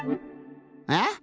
あっ！